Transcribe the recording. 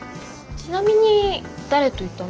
ちなみに誰と行ったの？